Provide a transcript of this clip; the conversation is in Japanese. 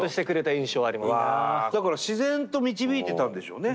だから自然と導いてたんでしょうね